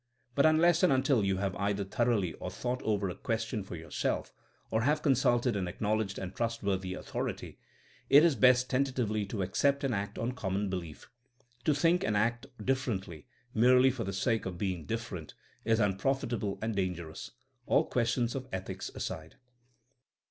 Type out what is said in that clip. But unless and until you have either thoroughly thought over a question for yourself or have consulted an acknowledged and trustworthy au thority, it is best tentatively to accept and act on common belief. To think and act differently, merely for the sake of being different, is un profitable and dangerous, all questions of ethics aside.